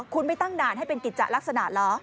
คุณไม่ตั้งด่านให้เป็นกิจจะลักษณะเหรอ